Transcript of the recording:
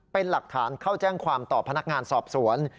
เป็นหลักฐานเข้าแจ้งความต่อพนักงานสอบสวน